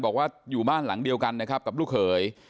บอกว่าอยู่บ้านหลังเดียวกันนะครับกับลูกเขย